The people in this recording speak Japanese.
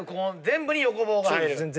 全部に横棒が入る。